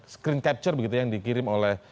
screen capture begitu yang dikirim oleh